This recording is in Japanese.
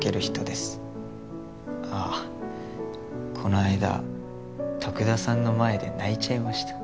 ああこの間徳田さんの前で泣いちゃいました。